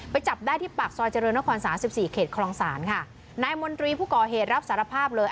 จับได้ที่ปากซอยเจริญนครสามสิบสี่เขตคลองศาลค่ะนายมนตรีผู้ก่อเหตุรับสารภาพเลย